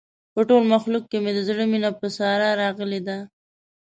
په ټول مخلوق کې مې د زړه مینه په ساره راغلې ده.